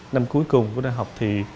năm cuối cùng của đại học